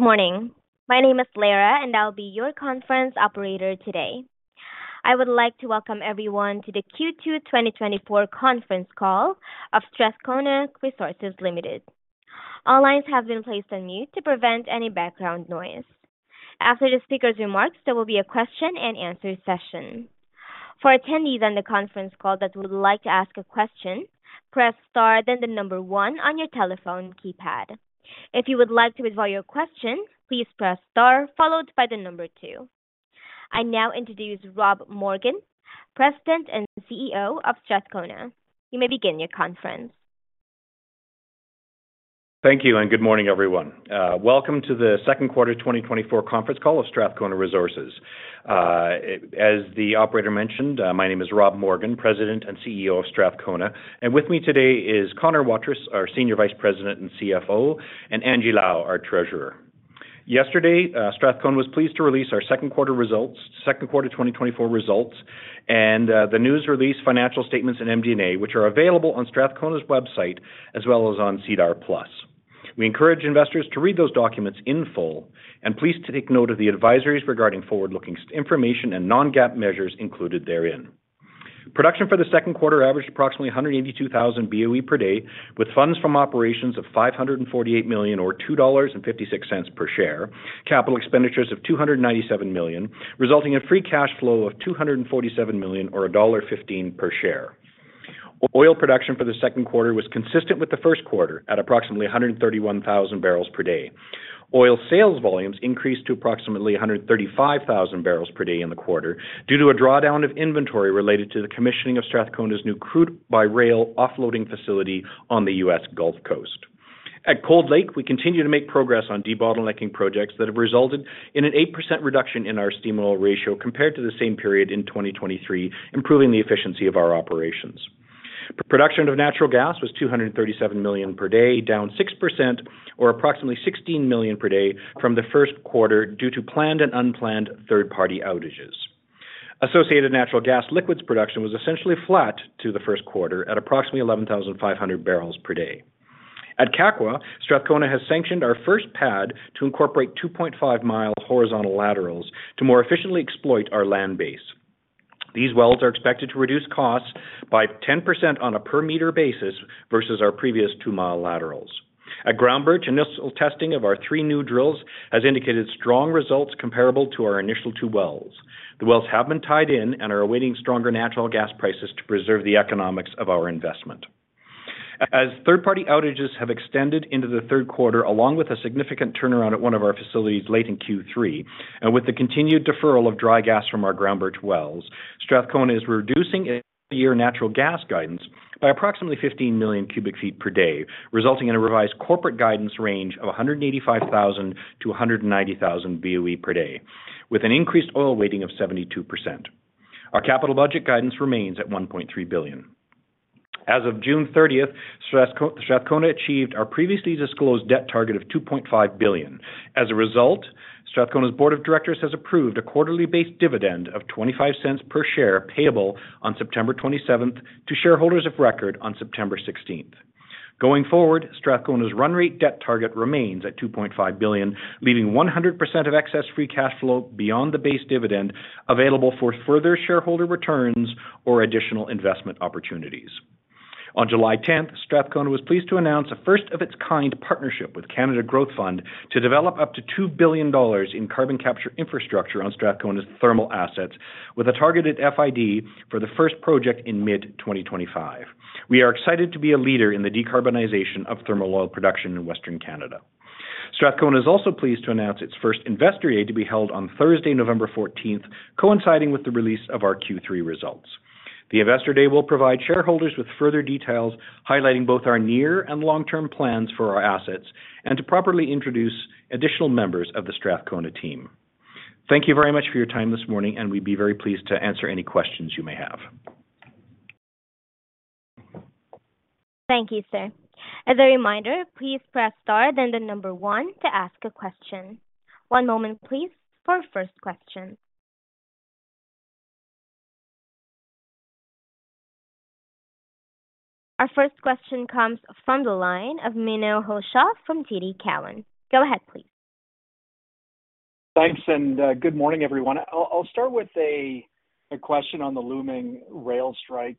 Good morning. My name is Lara, and I'll be your conference operator today. I would like to welcome everyone to the Q2 2024 conference call of Strathcona Resources Limited. All lines have been placed on mute to prevent any background noise. After the speaker's remarks, there will be a question-and-answer session. For attendees on the conference call that would like to ask a question, press star, then the number one on your telephone keypad. If you would like to withdraw your question, please press star followed by the number two. I now introduce Rob Morgan, President and CEO of Strathcona. You may begin your conference. Thank you, and good morning, everyone. Welcome to the second quarter 2024 conference call of Strathcona Resources. As the operator mentioned, my name is Rob Morgan, President and CEO of Strathcona, and with me today is Connor Waterous, our Senior Vice President and CFO, and Angie Lau, our Treasurer. Yesterday, Strathcona was pleased to release our second quarter results, second quarter 2024 results, and the news release, financial statements, and MD&A, which are available on Strathcona's website as well as on SEDAR+. We encourage investors to read those documents in full and please take note of the advisories regarding forward-looking information and non-GAAP measures included therein. Production for the second quarter averaged approximately 182,000 BOE per day, with funds from operations of CAD 548 million, or CAD 2.56 per share, capital expenditures of CAD 297 million, resulting in free cash flow of CAD 247 million or CAD 1.15 per share. Oil production for the second quarter was consistent with the first quarter at approximately 131,000 barrels per day. Oil sales volumes increased to approximately 135,000 barrels per day in the quarter due to a drawdown of inventory related to the commissioning of Strathcona's new crude-by-rail offloading facility on the US Gulf Coast. At Cold Lake, we continue to make progress on debottlenecking projects that have resulted in an 8% reduction in our steam oil ratio compared to the same period in 2023, improving the efficiency of our operations. Production of natural gas was 237 million per day, down 6% or approximately 16 million per day from the first quarter due to planned and unplanned third-party outages. Associated natural gas liquids production was essentially flat to the first quarter at approximately 11,500 barrels per day. At Kakwa, Strathcona has sanctioned our first pad to incorporate 2.5-mile horizontal laterals to more efficiently exploit our land base. These wells are expected to reduce costs by 10% on a per-meter basis versus our previous 2-mile laterals. At Groundbirch, initial testing of our 3 new drills has indicated strong results comparable to our initial 2 wells. The wells have been tied in and are awaiting stronger natural gas prices to preserve the economics of our investment. As third-party outages have extended into the third quarter, along with a significant turnaround at one of our facilities late in Q3 and with the continued deferral of dry gas from our Groundbirch wells, Strathcona is reducing its year natural gas guidance by approximately 15 million cubic feet per day, resulting in a revised corporate guidance range of 185,000-190,000 BOE per day, with an increased oil weighting of 72%. Our capital budget guidance remains at 1.3 billion. As of June 30, Strathcona achieved our previously disclosed debt target of CAD 2.5 billion. As a result, Strathcona's board of directors has approved a quarterly-based dividend of 0.25 per share, payable on September 27th to shareholders of record on September 16th. Going forward, Strathcona's run rate debt target remains at 2.5 billion, leaving 100% of excess free cash flow beyond the base dividend available for further shareholder returns or additional investment opportunities. On July 10, Strathcona was pleased to announce a first-of-its-kind partnership with Canada Growth Fund to develop up to 2 billion dollars in carbon capture infrastructure on Strathcona's thermal assets, with a targeted FID for the first project in mid-2025. We are excited to be a leader in the decarbonization of thermal oil production in Western Canada. Strathcona is also pleased to announce its first Investor Day, to be held on Thursday, November 14, coinciding with the release of our Q3 results. The Investor Day will provide shareholders with further details, highlighting both our near and long-term plans for our assets, and to properly introduce additional members of the Strathcona team. Thank you very much for your time this morning, and we'd be very pleased to answer any questions you may have. Thank you, sir. As a reminder, please press star then the number one to ask a question. One moment, please, for our first question. Our first question comes from the line of Menno Hulshof from TD Cowen. Go ahead, please. Thanks, and, good morning, everyone. I'll start with a question on the looming rail strike.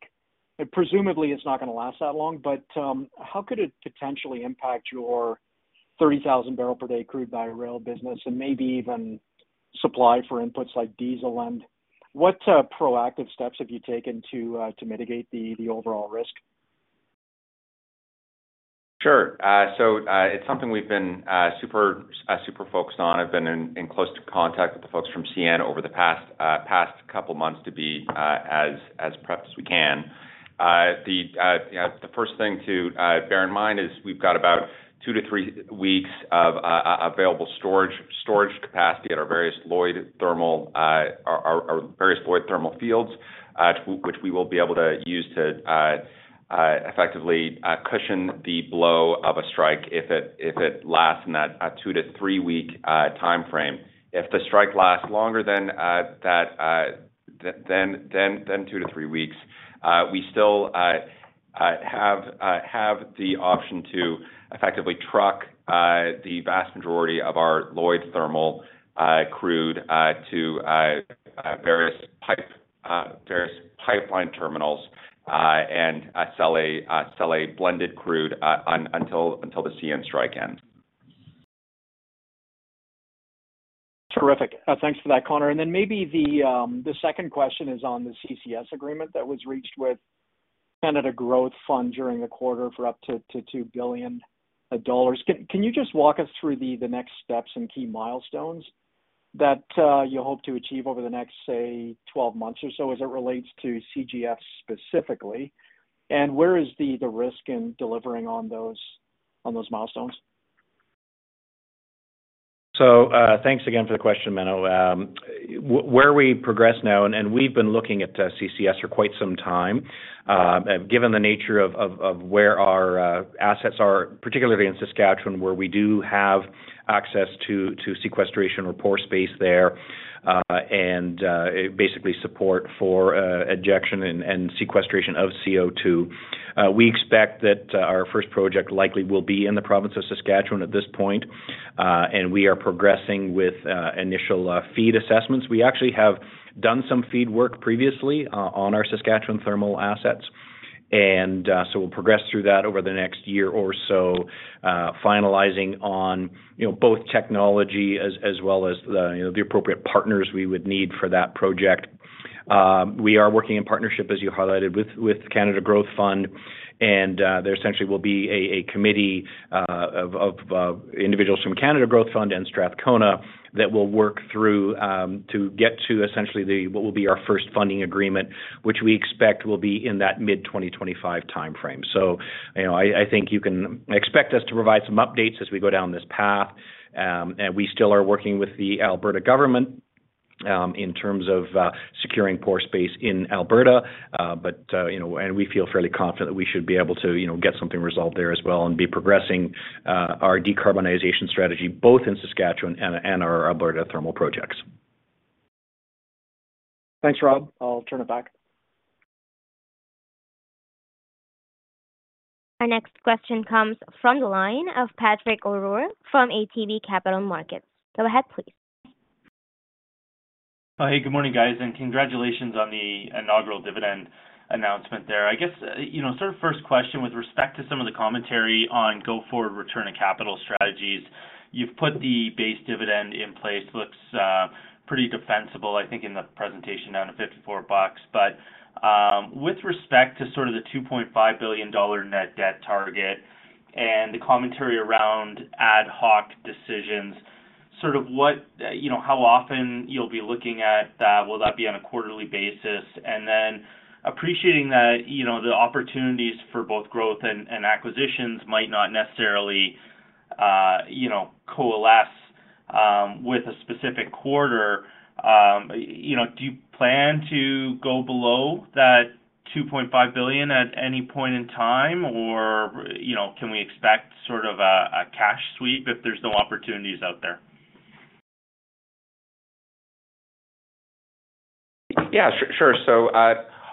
Presumably, it's not gonna last that long, but, how could it potentially impact your 30,000 barrel per day crude-by-rail business and maybe even supply for inputs like diesel? And what proactive steps have you taken to mitigate the overall risk? Sure. So, it's something we've been super, super focused on. I've been in close contact with the folks from CN over the past couple of months to be as prepped as we can. You know, the first thing to bear in mind is we've got about 2 weeks-3 weeks of available storage capacity at our various Lloyd thermal fields, which we will be able to use to effectively cushion the blow of a strike if it lasts in that 2-to-3-week timeframe. If the strike lasts longer than that, than 2 weeks-3 weeks, we still...... have the option to effectively truck the vast majority of our Lloyd thermal crude to various pipeline terminals, and sell a blended crude until the CN strike ends. Terrific. Thanks for that, Connor. And then maybe the second question is on the CCS agreement that was reached with Canada Growth Fund during the quarter for up to 2 billion dollars. Can you just walk us through the next steps and key milestones that you hope to achieve over the next, say, 12 months or so as it relates to CGF specifically? And where is the risk in delivering on those milestones? So, thanks again for the question, Menno. Where we progress now, and we've been looking at CCS for quite some time. Given the nature of where our assets are, particularly in Saskatchewan, where we do have access to sequestration or pore space there, and it basically support for injection and sequestration of CO2. We expect that our first project likely will be in the province of Saskatchewan at this point, and we are progressing with initial FEED assessments. We actually have done some FEED work previously on our Saskatchewan thermal assets, and so we'll progress through that over the next year or so, finalizing on, you know, both technology as well as the, you know, the appropriate partners we would need for that project. We are working in partnership, as you highlighted, with Canada Growth Fund, and there essentially will be a committee of individuals from Canada Growth Fund and Strathcona that will work through to get to essentially the what will be our first funding agreement, which we expect will be in that mid-2025 timeframe. So, you know, I think you can expect us to provide some updates as we go down this path, and we still are working with the Alberta government in terms of securing pore space in Alberta. But, you know, and we feel fairly confident that we should be able to, you know, get something resolved there as well and be progressing our decarbonization strategy, both in Saskatchewan and our Alberta thermal projects. Thanks, Rob. I'll turn it back. Our next question comes from the line of Patrick O'Rourke from ATB Capital Markets. Go ahead, please. Hey, good morning, guys, and congratulations on the inaugural dividend announcement there. I guess, you know, sort of first question with respect to some of the commentary on go forward return and capital strategies. You've put the base dividend in place, looks pretty defensible, I think, in the presentation, down to $54. But, with respect to sort of the 2.5 billion dollar net debt target and the commentary around ad hoc decisions, sort of what, you know, how often you'll be looking at that? Will that be on a quarterly basis? And then appreciating that, you know, the opportunities for both growth and acquisitions might not necessarily, you know, coalesce with a specific quarter, you know, do you plan to go below that 2.5 billion at any point in time? Or, you know, can we expect sort of a, a cash sweep if there's no opportunities out there? Yeah, sure. So,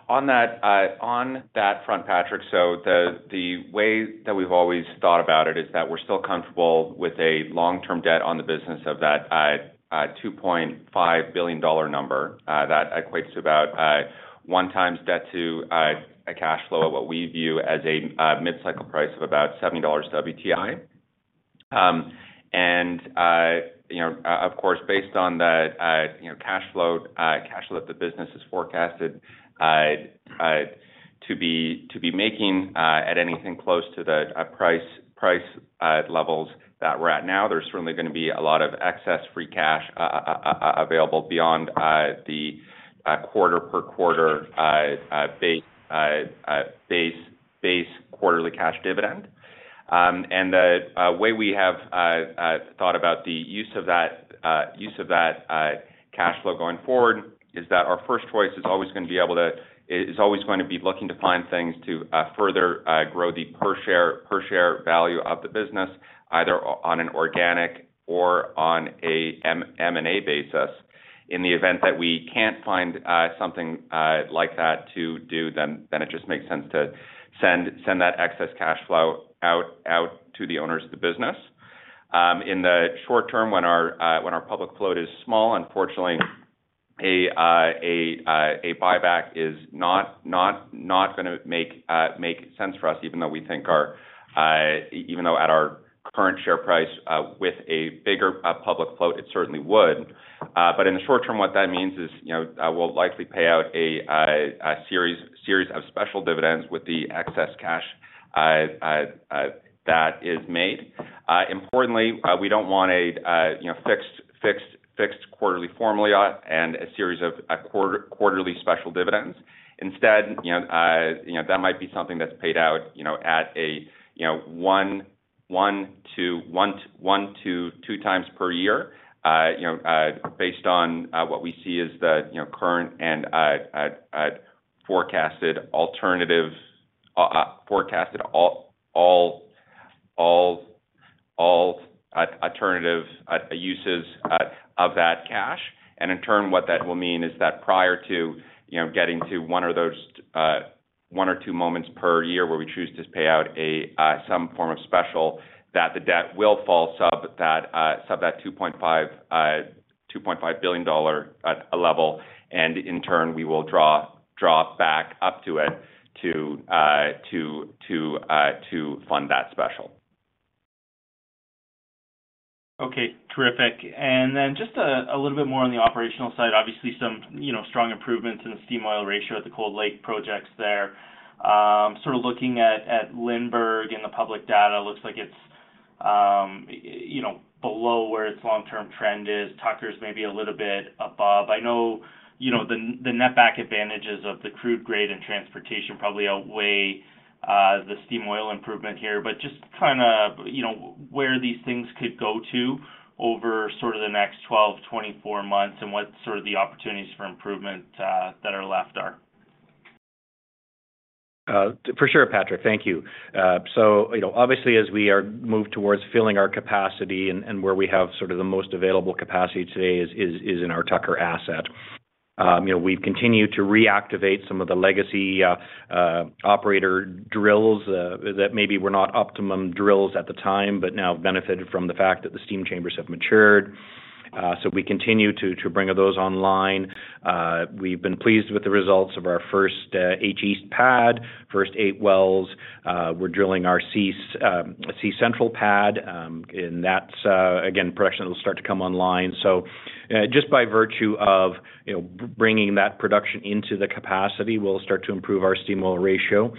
on that front, Patrick, so the way that we've always thought about it is that we're still comfortable with a long-term debt on the business of that $2.5 billion number. That equates to about 1x debt to a cash flow of what we view as a mid-cycle price of about $70 WTI. And, you know, of course, based on that, you know, cash flow that the business is forecasted to be making at anything close to the price levels that we're at now. There's certainly gonna be a lot of excess free cash available beyond the quarter-per-quarter base quarterly cash dividend. The way we have thought about the use of that cash flow going forward is that our first choice is always gonna be looking to find things to further grow the per share value of the business, either on an organic or on a M&A basis. In the event that we can't find something like that to do, then it just makes sense to send that excess cash flow out to the owners of the business. In the short term, when our public float is small, unfortunately, a buyback is not gonna make sense for us, even though we think our... Even though at our current share price, with a bigger public float, it certainly would. But in the short term, what that means is, you know, we'll likely pay out a series of special dividends with the excess cash that is made. Importantly, we don't want a, you know, fixed quarterly formula and a series of quarterly special dividends. Instead, you know, you know, that might be something that's paid out, you know, at a, you know, 1-2 times per year. You know, based on what we see as the, you know, current and forecasted alternative uses of that cash. In turn, what that will mean is that prior to, you know, getting to one of those one or two moments per year where we choose to pay out some form of special, that the debt will fall sub that 2.5 billion dollar level, and in turn, we will draw back up to it to fund that special. Okay, terrific. And then just a little bit more on the operational side. Obviously, some, you know, strong improvements in the steam oil ratio at the Cold Lake projects there. Sort of looking at Lindbergh in the public data, looks like it's, you know, below where its long-term trend is. Tucker's maybe a little bit above. I know, you know, the netback advantages of the crude grade and transportation probably outweigh the steam oil improvement here, but just kinda, you know, where these things could go to over sort of the next 12 months, 24 months, and what sort of the opportunities for improvement that are left are? For sure, Patrick, thank you. So, you know, obviously, as we move towards filling our capacity and where we have sort of the most available capacity today is in our Tucker asset. You know, we've continued to reactivate some of the legacy operator drills that maybe were not optimum drills at the time, but now benefited from the fact that the steam chambers have matured. So we continue to bring those online. We've been pleased with the results of our first H East pad, first eight wells. We're drilling our C Central pad, and that's, again, production will start to come online. Just by virtue of, you know, bringing that production into the capacity will start to improve our steam oil ratio.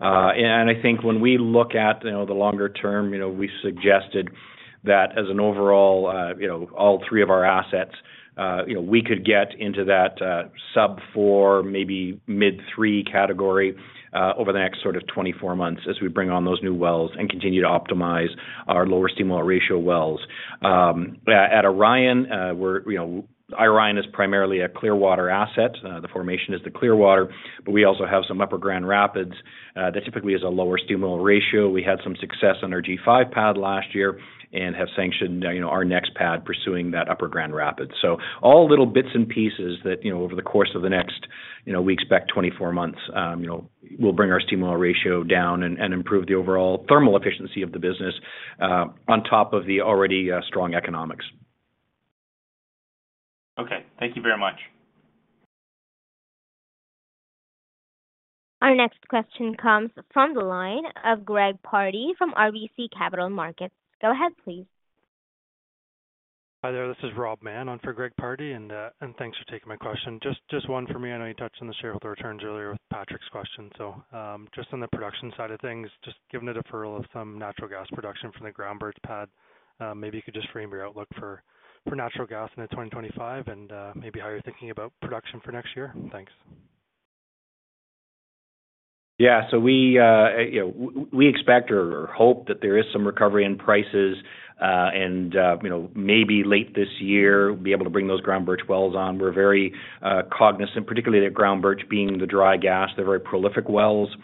And I think when we look at, you know, the longer term, you know, we suggested that as an overall, you know, all three of our assets, you know, we could get into that sub-4, maybe mid-3 category, over the next sort of 24 months as we bring on those new wells and continue to optimize our lower steam-oil ratio wells. At Orion, we're, you know, Orion is primarily a Clearwater asset. The formation is the Clearwater, but we also have some upper Grand Rapids that typically is a lower steam-oil ratio. We had some success on our G5 pad last year and have sanctioned, you know, our next pad pursuing that upper Grand Rapids. So all little bits and pieces that, you know, over the course of the next, you know, we expect 24 months, you know, we'll bring our steam oil ratio down and improve the overall thermal efficiency of the business, on top of the already strong economics. Okay, thank you very much. Our next question comes from the line of Greg Pardy from RBC Capital Markets. Go ahead, please. Hi there. This is Rob Mann on for Greg Pardy, and thanks for taking my question. Just one for me. I know you touched on the shareholder returns earlier with Patrick's question. So, just on the production side of things, just given the deferral of some natural gas production from the Groundbirch Pad, maybe you could just frame your outlook for natural gas into 2025 and maybe how you're thinking about production for next year. Thanks. Yeah. So we, you know, expect or hope that there is some recovery in prices, and, you know, maybe late this year, we'll be able to bring those Groundbirch wells on. We're very cognizant, particularly that Groundbirch being the dry gas, they're very prolific wells,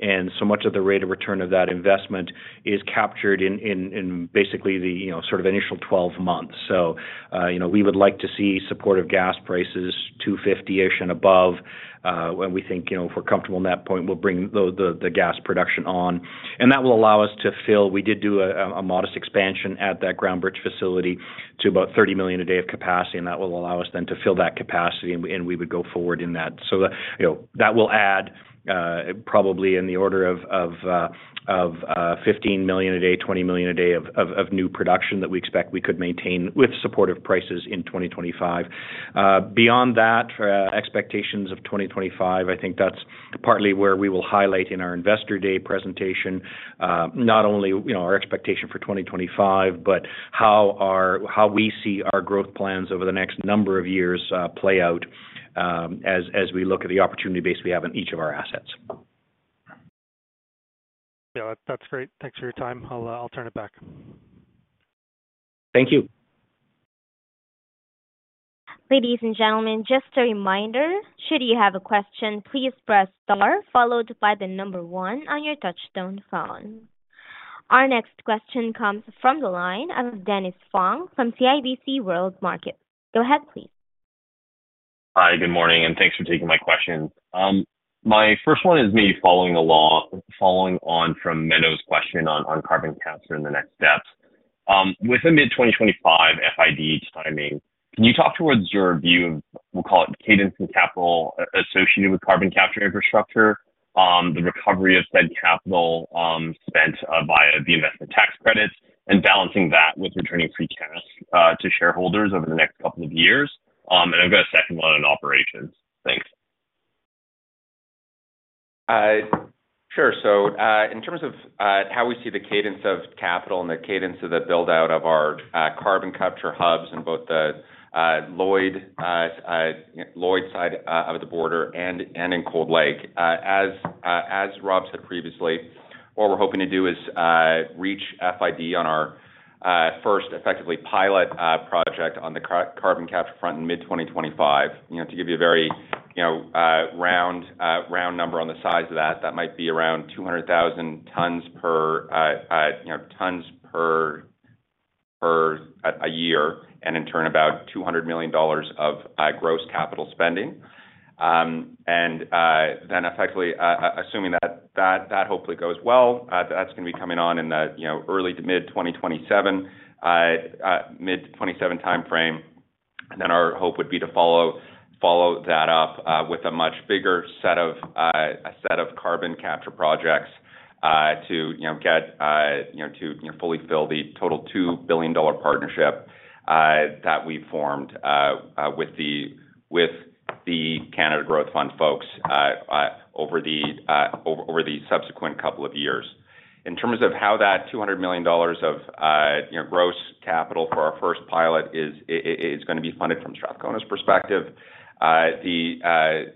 and so much of the rate of return of that investment is captured in basically the, you know, sort of initial 12 months. So, you know, we would like to see supportive gas prices, 2.50-ish and above, when we think, you know, if we're comfortable at that point, we'll bring the gas production on. And that will allow us to fill... We did do a modest expansion at that Groundbirch facility to about 30 million a day of capacity, and that will allow us then to fill that capacity, and we would go forward in that. So, you know, that will add probably in the order of 15 million a day, 20 million a day of new production that we expect we could maintain with supportive prices in 2025. Beyond that, expectations of 2025, I think that's partly where we will highlight in our Investor Day presentation, not only, you know, our expectation for 2025, but how our—how we see our growth plans over the next number of years, play out, as we look at the opportunity base we have in each of our assets. Yeah, that's great. Thanks for your time. I'll, I'll turn it back. Thank you. Ladies and gentlemen, just a reminder, should you have a question, please press Star, followed by the number one on your touch-tone phone. Our next question comes from the line of Dennis Fong from CIBC World Markets. Go ahead, please. Hi, good morning, and thanks for taking my question. My first one is maybe following on from Menno's question on carbon capture and the next steps. With the mid-2025 FID timing, can you talk towards your view of, we'll call it, cadence and capital associated with carbon capture infrastructure, the recovery of said capital spent via the investment tax credits, and balancing that with returning free cash to shareholders over the next couple of years? And I've got a second one on operations. Thanks. Sure. So, in terms of how we see the cadence of capital and the cadence of the build-out of our carbon capture hubs in both the Lloyd side of the border and in Cold Lake, as Rob said previously, what we're hoping to do is reach FID on our first effectively pilot project on the carbon capture front in mid-2025. You know, to give you a very round number on the size of that, that might be around 200,000 tons per year, and in turn, about 200 million dollars of gross capital spending. And then effectively, assuming that hopefully goes well, that's gonna be coming on in the early to mid 2027, mid 2027 time frame. Our hope would be to follow that up with a much bigger set of carbon capture projects to, you know, get, you know, to, you know, fully fill the total 2 billion dollar partnership that we formed with the Canada Growth Fund folks over the subsequent couple of years. In terms of how that 200 million dollars of, you know, gross capital for our first pilot is gonna be funded from Strathcona's perspective, the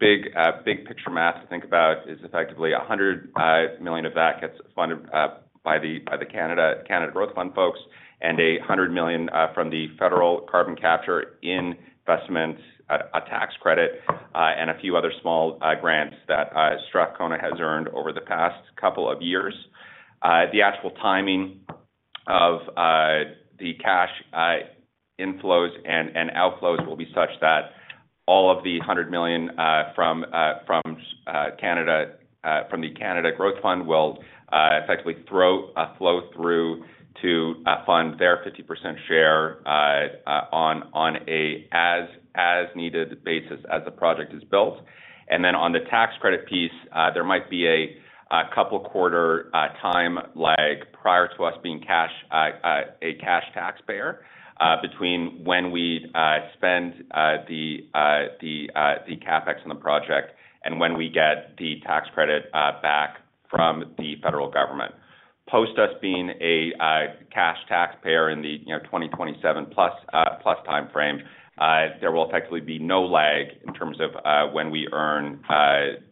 big picture map to think about is effectively 100 million of that gets funded by the Canada Growth Fund folks, and 100 million from the federal carbon capture Investment Tax Credit, and a few other small grants that Strathcona has earned over the past couple of years. The actual timing of the cash inflows and outflows will be such that all of the 100 million from the Canada Growth Fund will effectively flow through to fund their 50% share on an as needed basis as the project is built. And then on the tax credit piece, there might be a couple quarters time lag prior to us being a cash taxpayer between when we spend the CapEx on the project and when we get the tax credit back from the federal government. Post us being a cash taxpayer in the, you know, 2027+ timeframe, there will effectively be no lag in terms of when we earn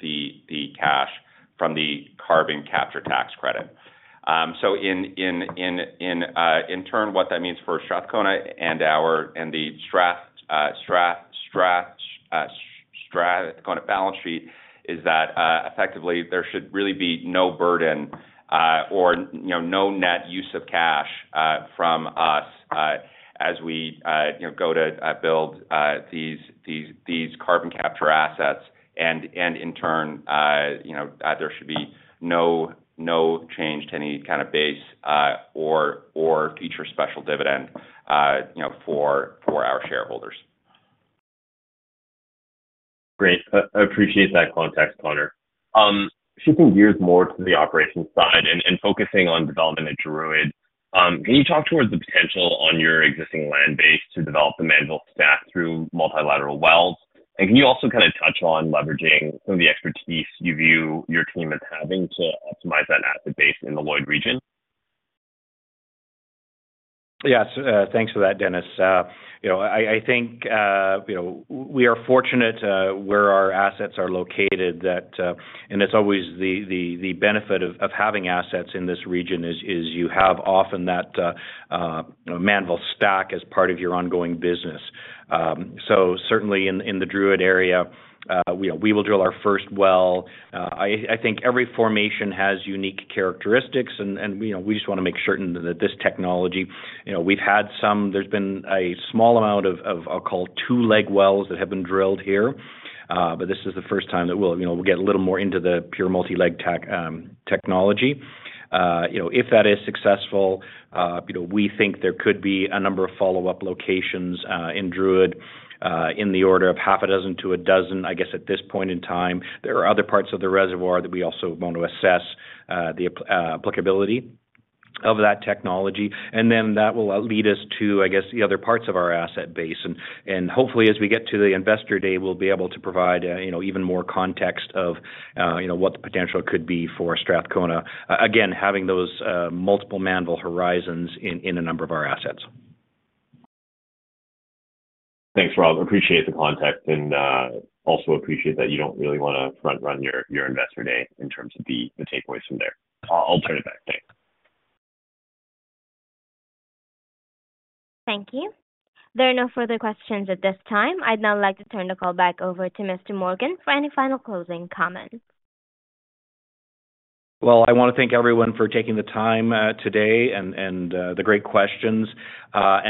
the cash from the carbon capture tax credit. So in turn, what that means for Strathcona and our Strathcona balance sheet, is that effectively there should really be no burden or, you know, no net use of cash from us as we, you know, go to build these carbon capture assets. And in turn, you know, there should be no change to any kind of base or future special dividend, you know, for our shareholders. Great. Appreciate that context, Connor. Shifting gears more to the operations side and focusing on development at Druid, can you talk towards the potential on your existing land base to develop the Mannville stack through multilateral wells? And can you also kind of touch on leveraging some of the expertise you view your team as having to optimize that asset base in the Lloyd region? Yes. Thanks for that, Dennis. You know, I think, you know, we are fortunate where our assets are located, that... And it's always the benefit of having assets in this region is you have often that Mannville stack as part of your ongoing business. So certainly in the Druid area, we will drill our first well. I think every formation has unique characteristics, and you know, we just wanna make certain that this technology, you know, we've had some-- There's been a small amount of, I'll call two-leg wells that have been drilled here, but this is the first time that we'll, you know, we'll get a little more into the pure multi-leg tech, technology. You know, if that is successful, you know, we think there could be a number of follow-up locations in Druid, in the order of 6-12, I guess, at this point in time. There are other parts of the reservoir that we also want to assess, the applicability of that technology. And then that will lead us to, I guess, the other parts of our asset base. And hopefully, as we get to the Investor Day, we'll be able to provide, you know, even more context of, you know, what the potential could be for Strathcona. Again, having those multiple Mannville horizons in a number of our assets. Thanks, Rob. Appreciate the context, and, also appreciate that you don't really wanna front run your, your Investor Day in terms of the, the takeaways from there. I'll turn it back. Thanks. Thank you. There are no further questions at this time. I'd now like to turn the call back over to Mr. Morgan for any final closing comments. Well, I wanna thank everyone for taking the time today, and the great questions.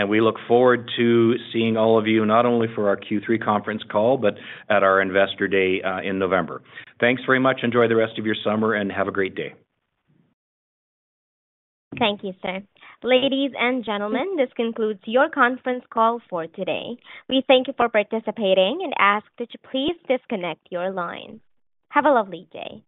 We look forward to seeing all of you, not only for our Q3 conference call, but at our Investor Day in November. Thanks very much. Enjoy the rest of your summer, and have a great day. Thank you, sir. Ladies and gentlemen, this concludes your conference call for today. We thank you for participating and ask that you please disconnect your line. Have a lovely day.